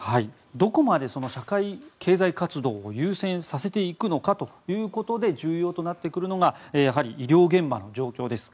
どこまでその社会経済活動を優先させていくのかということで重要となってくるのがやはり医療現場の状況です。